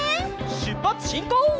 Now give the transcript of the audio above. しゅっぱつしんこう！